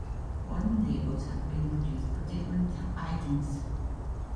Warning labels have been produced for different items.